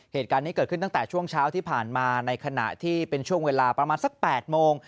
เหตุการณ์นี้เกิดขึ้นตั้งแต่ช่วงเช้าที่ผ่านมาในขณะที่เป็นช่วงเวลาประมาณสัก๘โมง